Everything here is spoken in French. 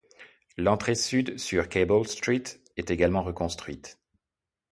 L’entrée sud sur Cable Street est également reconstruite.